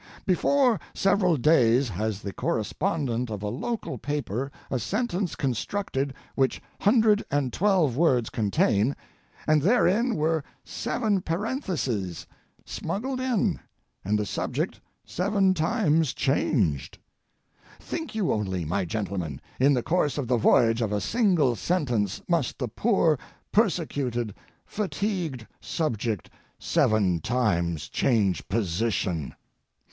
Before several days has the correspondent of a local paper a sentence constructed which hundred and twelve words contain, and therein were seven parentheses smuggled in, and the subject seven times changed. Think you only, my gentlemen, in the course of the voyage of a single sentence must the poor, persecuted, fatigued subject seven times change position!